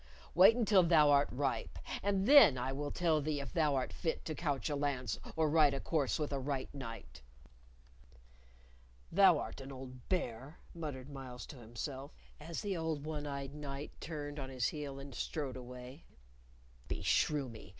Wait until thou art ripe, and then I will tell thee if thou art fit to couch a lance or ride a course with a right knight." "Thou art an old bear!" muttered Myles to himself, as the old one eyed knight turned on his heel and strode away. "Beshrew me!